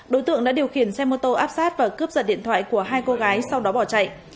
đối tượng đã điều khiển xe mô tô áp sát và cướp giật điện thoại của hai cô gái sau đó bỏ chạy